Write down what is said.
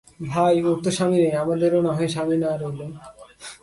ভাই, ওঁর তো স্বামী নেই, আমাদেরও নাহয় স্বামী না রইল।